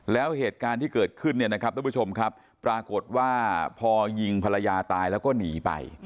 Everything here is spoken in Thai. แล้วเหตุการณ์ที่เกิดขึ้นเนี่ยนะครับทุกผู้ชมครับปรากฏว่าพอยิงภรรยาตายแล้วก็หนีไป